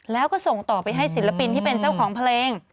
แล้วก็ส่งต่อไปให้ศิลปินที่เป็นเจ้าของเพลง